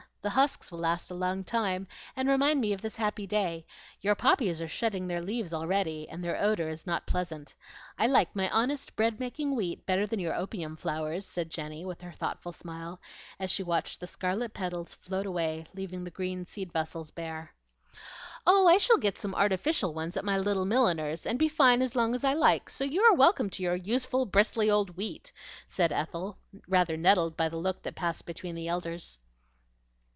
The husks will last a long time and remind me of this happy day; your poppies are shedding their leaves already, and the odor is not pleasant. I like my honest breadmaking wheat better than your opium flowers," said Jenny, with her thoughtful smile, as she watched the scarlet petals float away leaving the green seed vessels bare. "Oh, I shall get some artificial ones at my little milliner's, and be fine as long as I like; so you are welcome to your useful, bristly old wheat," said Ethel, rather nettled by the look that passed between the elders.